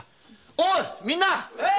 おいみんな！